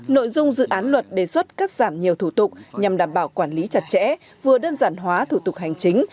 nội dung dự án luật đề xuất cắt giảm nhiều thủ tục nhằm đảm bảo quản lý chặt chẽ vừa đơn giản hóa thủ tục hành chính